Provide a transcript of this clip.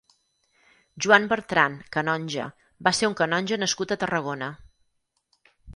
Joan Bertran (canonge) va ser un canonge nascut a Tarragona.